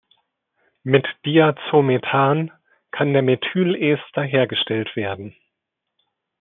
Mit Diazomethan kann der Methylester hergestellt werden.